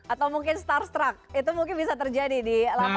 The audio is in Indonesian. atau mungkin starstruck itu mungkin bisa terjadi di lapangan